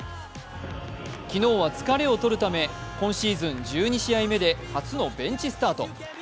昨日は疲れをとるため、今シーズン１２試合目で初のベンチスタート。